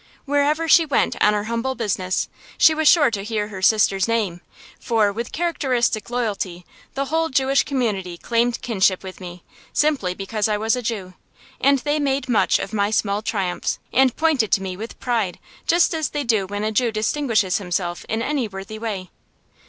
Wherever she went on her humble business, she was sure to hear her sister's name. For, with characteristic loyalty, the whole Jewish community claimed kinship with me, simply because I was a Jew; and they made much of my small triumphs, and pointed to me with pride, just as they always do when a Jew distinguishes himself in any worthy way.